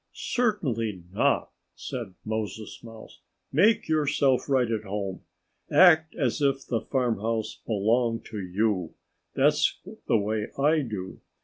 "Certainly not!" said Moses Mouse. "Make yourself right at home. Act as if the farmhouse belonged to you. That's the way I do.